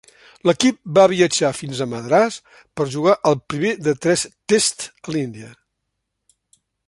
L'equip va viatjar fins a Madràs per jugar el primer de tres "tests" a l'Índia.